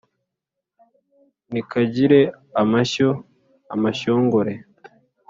nti kagire amashyo amashyongore